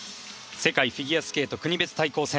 世界フィギュアスケート国別対抗戦。